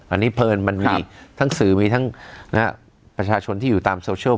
อันนี้เพลินมันมีทั้งสื่อมีทั้งประชาชนที่อยู่ตามโซเชียล